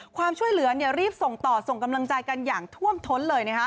ความช่วยเหลือรีบส่งต่อส่งกำลังใจกันอย่างท่วมท้นเลย